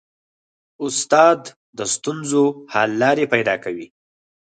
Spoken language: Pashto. استاد د ستونزو حل لارې پیدا کوي.